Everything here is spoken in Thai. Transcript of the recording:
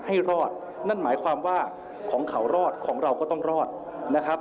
ให้รอดนั่นหมายความว่าของเขารอดของเราก็ต้องรอดนะครับ